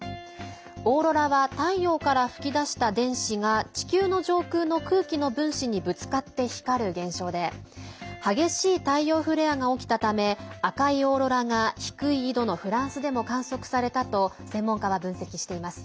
オーロラは太陽から噴き出した電子が地球の上空の空気の分子にぶつかって光る現象で激しい太陽フレアが起きたため赤いオーロラが低い緯度のフランスでも観測されたと専門家は分析しています。